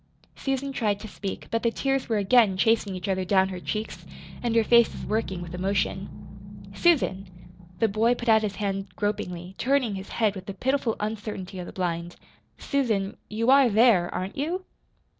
Susan tried to speak; but the tears were again chasing each other down her cheeks, and her face was working with emotion. "Susan!" The boy put out his hand gropingly, turning his head with the pitiful uncertainty of the blind. "Susan, you are there, aren't you?"